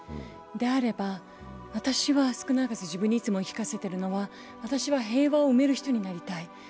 であれば、私は少なくとも自分にいつも言い聞かせているのは私は平和を生める人になりたい。